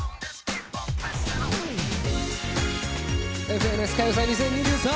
「ＦＮＳ歌謡祭」２０２３